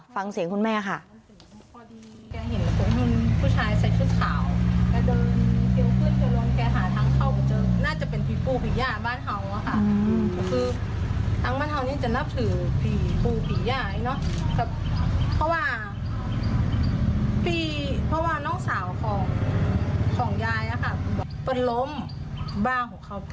ฟังเสียงคุณแม่ค่ะ